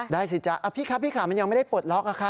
สิจ๊ะพี่คะพี่ค่ะมันยังไม่ได้ปลดล็อกอะครับ